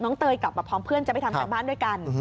เตยกลับมาพร้อมเพื่อนจะไปทำการบ้านด้วยกัน